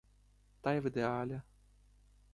Та й в ідеалі!